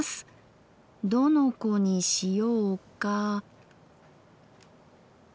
どの子にしようか。